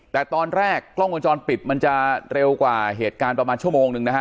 แต่ตอนแรกกล้องวงจรปิดมันจะเร็วกว่าเหตุการณ์ประมาณชั่วโมงนึงนะฮะ